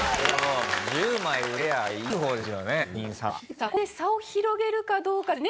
さあここで差を広げるかどうかですね。